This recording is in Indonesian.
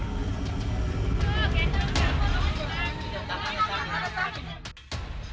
tidak tidak tidak